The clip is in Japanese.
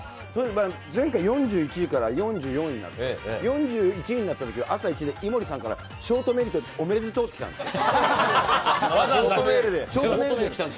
前回４１位から４４位になって、４１位になったときは、朝一で井森さんから、ショートメールでおめでとうって来たんですよ。